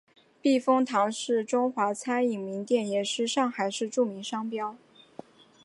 避风塘是中华餐饮名店也是上海市著名商标。